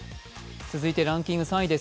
続いてランキング３位。